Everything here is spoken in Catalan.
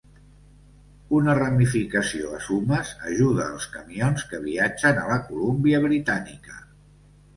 Una ramificació a Sumas ajuda els camions que viatgen a la Colúmbia Britànica.